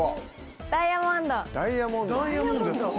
ダイヤモンドほぉ。